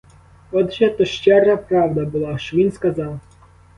Отже, то щира правда була, що він сказав.